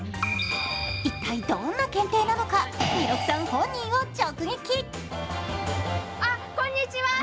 一体どんな検定なのか、弥勒さん本人を直撃！